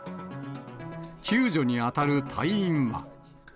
救助に当たる隊員は。